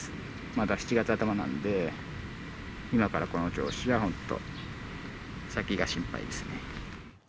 まだ７月頭なんで、今からこの調子じゃ、本当、先が心配ですね。